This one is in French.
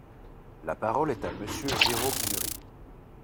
La parole est à Monsieur Jérôme Nury.